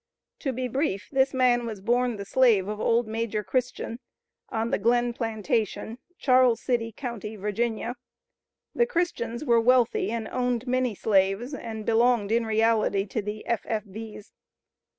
To be brief, this man was born the slave of old Major Christian, on the Glen Plantation, Charles City county, Va. The Christians were wealthy and owned many slaves, and belonged in reality to the F.F.V's.